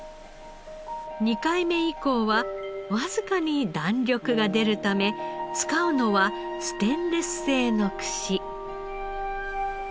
２回目以降はわずかに弾力が出るため使うのはステンレス製の串。